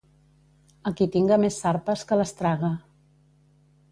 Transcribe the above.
El qui tinga més sarpes, que les traga.